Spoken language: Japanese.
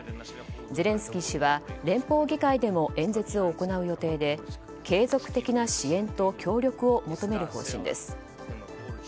ゼレンスキー氏は連邦議会でも演説を行う予定で継続的な支援と協力を求める方針です。